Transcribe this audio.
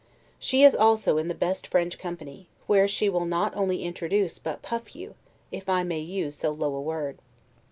She is also in the best French company, where she will not only introduce but PUFF you, if I may use so low a word.